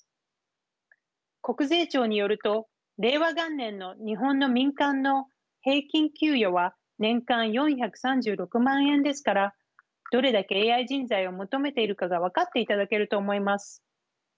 国税庁によると令和元年の日本の民間の平均給与は年間４３６万円ですからどれだけＡＩ人材を求めているかが分かっていただけると思います。